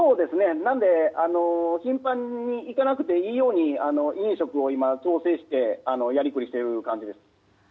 なので頻繁に行かなくていいように飲食を調整してやりくりしている感じです。